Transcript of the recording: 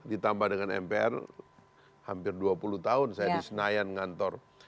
ditambah dengan mpr hampir dua puluh tahun saya di senayan ngantor